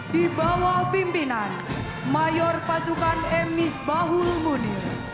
dibawah pimpinan mayor pasukan m misbahul munir